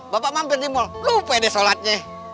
bapak mampir di mall lupa deh sholatnya